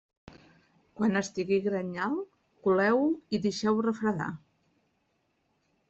Quan estigui grenyal, coleu-ho i deixar-ho refredar.